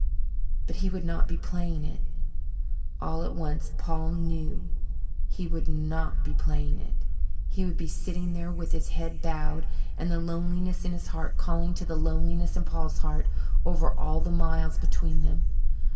But he would not be playing it all at once Paul knew he would not be playing it. He would be sitting there with his head bowed and the loneliness in his heart calling to the loneliness in Paul's heart over all the miles between them.